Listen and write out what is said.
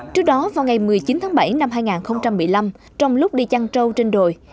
trước đó vào ngày một mươi chín tháng bảy năm hai nghìn một mươi năm trong lúc đi chăn trâu trên đồi